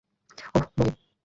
ওহ, বয়!